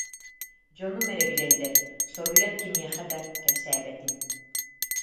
Дьонум эрэ билэллэр, соруйан кимиэхэ да кэпсээбэтим